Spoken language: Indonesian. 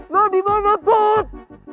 lo dimana put